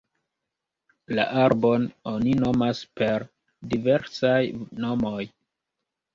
La arbon oni nomas per diversaj nomoj.